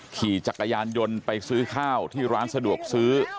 ขี่จักรยานยนต์ไปซื้อข้าวที่ร้านสะดวกซื้อ